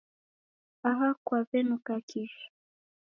Aha kwaw'enuka kisha